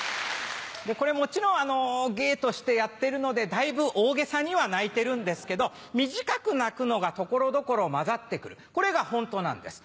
これもちろん芸としてやってるのでだいぶ大げさには鳴いてるんですけど短く鳴くのが所々交ざって来るこれがホントなんです。